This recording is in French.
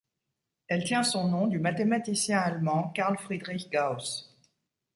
Elle tient son nom du mathématicien allemand Carl Friedrich Gauss.